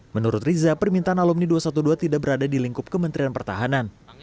menurut riza permintaan alumni dua ratus dua belas tidak berada di lingkup kementerian pertahanan